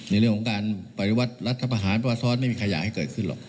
ในเรื่องของการปริวัติรัฐภาษาประวัติศาสตร์ไม่มีใครอยากให้เกิดขึ้นหรอก